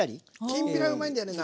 きんぴらうまいんだよね